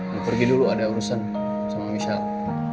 gue pergi dulu ada urusan sama michelle